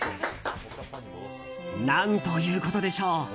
何ということでしょう。